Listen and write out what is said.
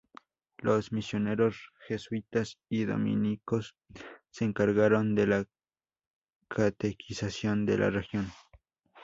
Los misioneros Jesuitas y Dominicos, se encargaron de la catequización de la región.